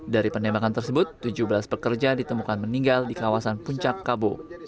dari penembakan tersebut tujuh belas pekerja ditemukan meninggal di kawasan puncak kabo